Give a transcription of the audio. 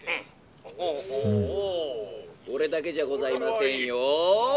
「これだけじゃございませんよ。